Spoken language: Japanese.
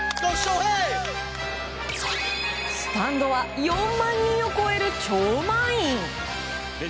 スタンドは４万人を超える超満員。